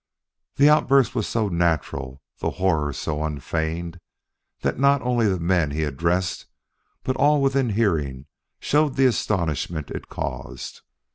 The outburst was so natural, the horror so unfeigned, that not only the men he addressed but all within hearing showed the astonishment it caused.